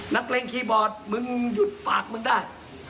เมื่อเล่นคีย์บอร์ดมึงหยุดปากมึงได้